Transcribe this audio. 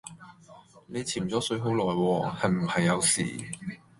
你潛左水好耐喎，係唔係有事